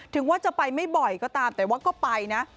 ถึงว่าจะไปไม่บ่อยก็ตามแต่ว่าก็ไปนะ